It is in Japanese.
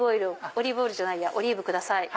オリーブオイルじゃないやオリーブください。